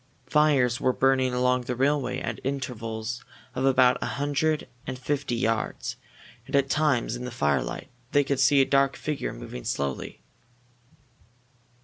Fires were burning along the railway at intervals of about a hundred and fifty yards, and at times, in the firelight, they could see a dark figure moving slowly.